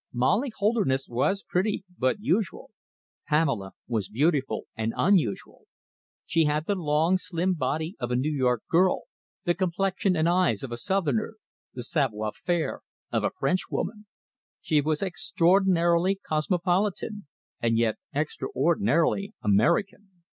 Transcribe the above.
Molly Holderness was pretty but usual. Pamela was beautiful and unusual. She had the long, slim body of a New York girl, the complexion and eyes of a Southerner, the savoir faire of a Frenchwoman. She was extraordinarily cosmopolitan, and yet extraordinarily American.